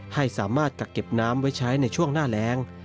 ให้สามารถกักเก็บน้ำไว้ใช้ในช่วงหน้าแรง